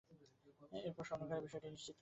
এরপর স্বর্ণকার বিষয়টি নিশ্চিত করেন।